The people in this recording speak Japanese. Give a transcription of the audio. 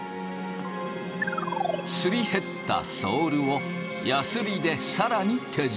すり減ったソールをやすりで更に削り。